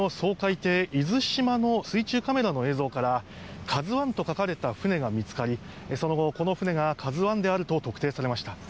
「いずしま」の水中カメラの映像から「ＫＡＺＵ１」と書かれた船が見つかりその後、この船が「ＫＡＺＵ１」であると特定されました。